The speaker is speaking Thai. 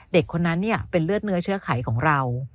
เด็กคนนั้นเป็นเลือดเนื้อเชื้อไขของเรา